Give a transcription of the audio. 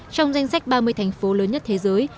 trong danh sách ba mươi thành phố lớn nhất thế giới